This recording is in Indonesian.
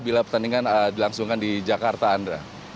bila pertandingan dilangsungkan di jakarta andra